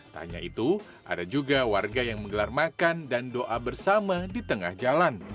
tak hanya itu ada juga warga yang menggelar makan dan doa bersama di tengah jalan